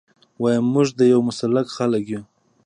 ويم موږ د يو مسلک خلک يو.